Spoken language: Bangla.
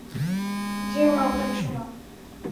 যেওনা ওখানে, সোনা!